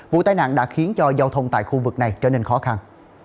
vụ tai nạn đã khiến cho giao thông tại khu vực này trở nên khó khăn